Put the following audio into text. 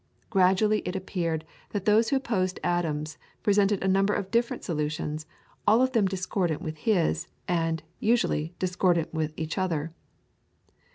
Gradually it appeared that those who opposed Adams presented a number of different solutions, all of them discordant with his, and, usually, discordant with each other.